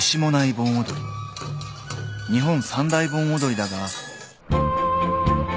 ［日本三大盆踊りだが］